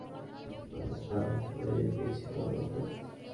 কামাঠিপুরার নাম লেগে গিয়েছিলো আমার উপর।